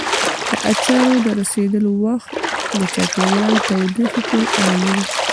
د اچارو رسېدلو وخت د چاپېریال تودوخې پورې اړه لري.